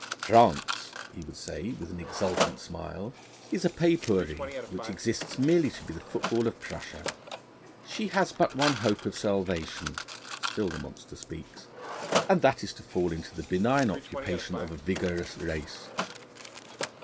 France, he would say with an exultant smile, is a pays pourri, which exists merely to be the football of Prussia. She has but one hope of salvation still the monster speaks and that is to fall into the benign occupation of a vigorous race.